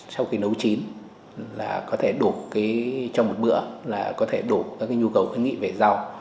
sau khi nấu chín là có thể đủ cho một bữa là có thể đủ các nhu cầu khuyến nghị về rau